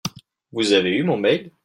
Vous avez eu mon mail ?